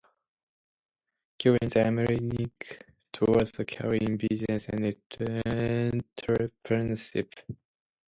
Currently, I am leaning towards a career in business and entrepreneurship.